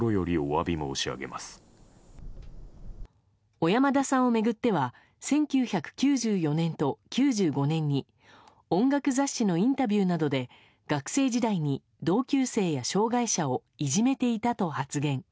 小山田さんを巡っては１９９４年と９５年に音楽雑誌のインタビューなどで学生時代に同級生や障害者をいじめていたと発言。